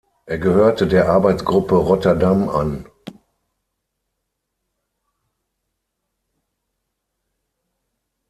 Er gehörte der Arbeitsgruppe Rotterdam an.